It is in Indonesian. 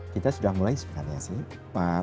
kita sudah mulai sebenarnya sih